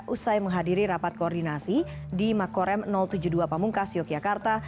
usai menghadiri rapat koordinasi di makorem tujuh puluh dua pamungkas yogyakarta